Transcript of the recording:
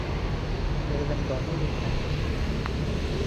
Ерҙең даны ирҙән.